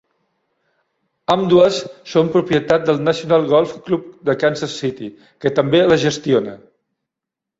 Ambdues són propietat del National Golf Club de Kansas City, que també les gestiona.